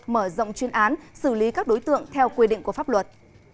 mở rộng chuyên án xử lý các đối tượng theo quy định của pháp luật